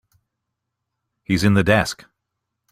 He's in the desk.